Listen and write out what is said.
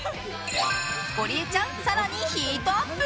ゴリエちゃん更にヒートアップ！